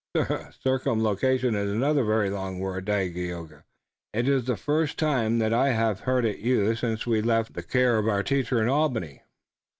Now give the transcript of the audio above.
"Circumlocution is another very long word, Dagaeoga. It is the first time that I have heard it used since we left the care of our teacher in Albany.